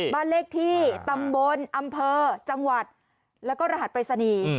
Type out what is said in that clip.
บานเลขที่ตำบทอำเภาะจังหวัดและรหัสประศนีย์